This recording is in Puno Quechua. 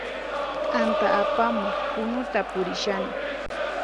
T'anta apamuq punuta purishani